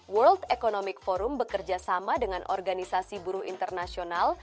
world economic forum bekerja sama dengan organisasi buruh internasional